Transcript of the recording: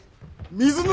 水沼！